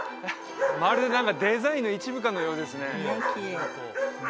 まるで何かデザインの一部かのようですね